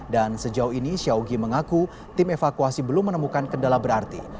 dan sejauh ini syawgi mengaku tim evakuasi belum menemukan kendala berarti